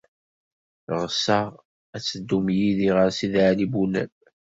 Ɣseɣ ad teddum yid-i ɣer Sidi Ɛli Bunab.